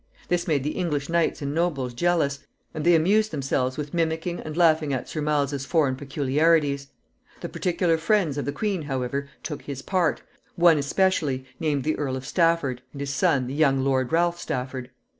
This made the English knights and nobles jealous, and they amused themselves with mimicking and laughing at Sir Miles's foreign peculiarities. The particular friends of the queen, however, took his part, one especially, named the Earl of Stafford, and his son, the young Lord Ralph Stafford.